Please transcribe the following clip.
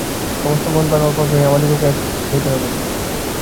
সমস্ত মনপ্রাণ অর্পণ করিয়া আমাদিগকে একাগ্র হইতে হইবে।